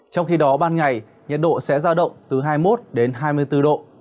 trong khi đó ban ngày nhiệt độ sẽ ra động từ hai mươi một đến hai mươi bốn độ